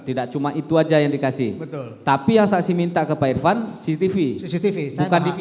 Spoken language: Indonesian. tidak cuma itu aja yang dikasih betul tapi yang saksi minta ke pak irfan cctv cctv bukan di tv